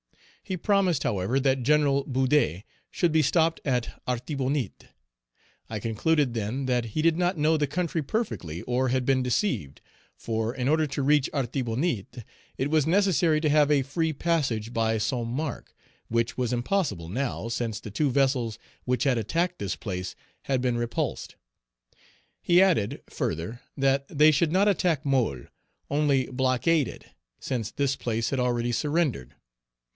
He promised, however, that Gen. Boudet should be stopped at Artibonite; I concluded then, that he did not know the country perfectly, or had been deceived; for, in order to reach Artibonite, it was necessary to have a free passage by St. Marc, which was impossible now, since the two vessels which had attacked this place had been repulsed. He added, further, that they should not attack Môle, only blockade it, since this place had already surrendered.